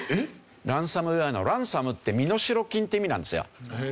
ランサムウェアのランサムって身代金って意味なんですよ。